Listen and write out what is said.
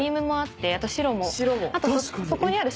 あとそこにある。